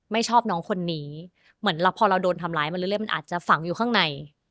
ไม่ชอบน้องคนนี้เหมือนเราพอเราโดนทำร้ายมาเรื่อยมันอาจจะฝังอยู่ข้างใน